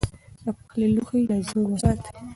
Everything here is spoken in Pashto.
د پخلي لوښي له زنګ وساتئ.